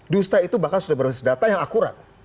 dusta itu bahkan sudah berbasis data yang akurat